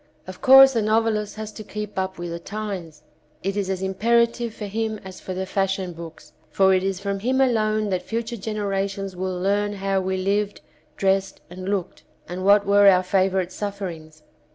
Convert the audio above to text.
Of course the novelist has to keep up with the times; it is as imperative for him as for the fashion books, for it is from him alone that future generations will learn how we lived, dressed and looked, and what were our favourite sufferings.